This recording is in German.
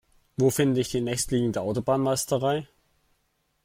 Wo finde ich die nächstliegende Autobahnmeisterei?